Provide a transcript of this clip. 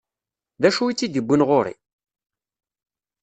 D acu i tt-id-iwwin ɣur-i?